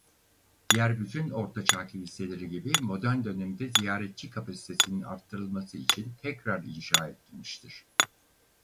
Diğer bütün Orta Çağ kiliseleri gibi modern dönemde ziyaretçi kapasitesinin arttırılması için tekrar inşa edilmiştir.